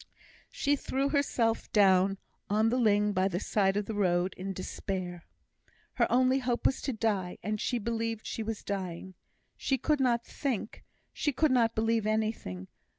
She threw herself down on the ling by the side of the road in despair. Her only hope was to die, and she believed she was dying. She could not think; she could believe anything.